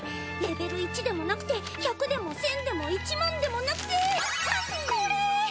レベル１でもなくて１００でも１，０００でも１０，０００でもなくてあっこれ！